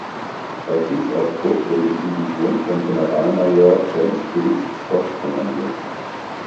Bei Kriegsausbruch wurde die Division von Generalmajor James Bruce Scott kommandiert.